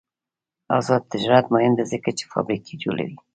آزاد تجارت مهم دی ځکه چې فابریکې جوړوي.